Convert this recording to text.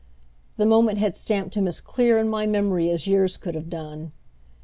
The moment had stamped him as clear in my memory as years could have done.